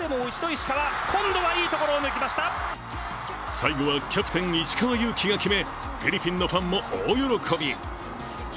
最後はキャプテン石川祐希が決め、フィリピンのファンも大喜び。